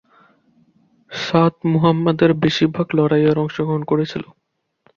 Sa'd মুহাম্মদের বেশিরভাগ লড়াইয়ে অংশগ্রহণ করেছিল।